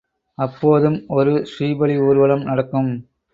அப்போதும் ஒரு ஸ்ரீபலி ஊர்வலம் நடக்கும்.